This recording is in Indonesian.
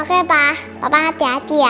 oke pak papa hati hati ya baik baik dirumah ya ya